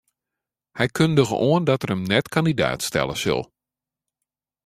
Hy kundige oan dat er him net kandidaat stelle sil.